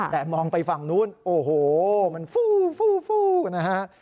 แต่มองไปฝั่งนู้นโอ้โหมันฟูฟูนะฮะ